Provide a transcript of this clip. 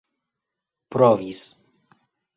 provis